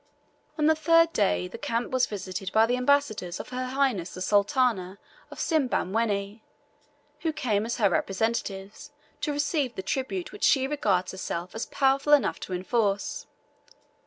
On the third day the camp was visited by the ambassadors of Her Highness the Sultana of Simbamwenni, who came as her representatives to receive the tribute which she regards herself as powerful enough to enforce.